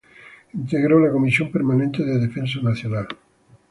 Integró la Comisión Permanente de Defensa Nacional.